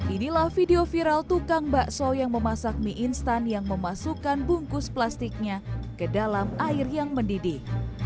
inilah video viral tukang bakso yang memasak mie instan yang memasukkan bungkus plastiknya ke dalam air yang mendidih